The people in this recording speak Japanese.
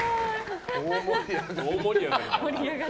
大盛り上がり。